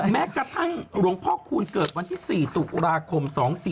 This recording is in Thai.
แม้กระทั่งหลวงพ่อคูณเกิดวันที่๔ตุลาคม๒๔๔